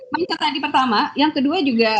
menurut saya tadi pertama yang kedua juga